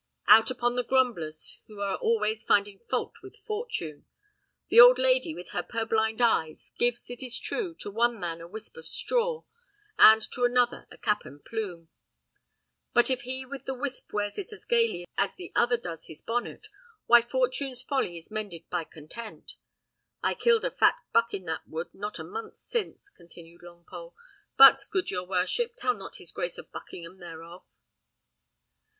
Out upon the grumblers who are always finding fault with Fortune! The old lady, with her purblind eyes, gives, it is true, to one man a wisp of straw, and to another a cap and plume; but if he with the wisp wears it as gaily as the other does his bonnet, why fortune's folly is mended by content. I killed a fat buck in that wood not a month since," continued Longpole; "but, good your worship, tell not his Grace of Buckingham thereof."